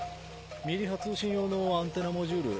ミリ波通信用のアンテナモジュール。